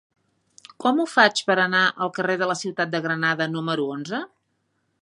Com ho faig per anar al carrer de la Ciutat de Granada número onze?